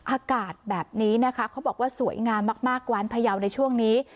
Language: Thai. อากาศแบบนี้นะคะเขาบอกว่าสวยงามมากกวานพยาวในช่วงนี้